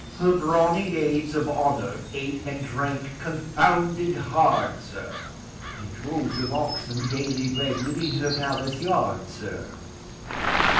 Her brawny maids of honour ate and drank confounded hard, sir, And droves of oxen daily bled within her palace yard, sir!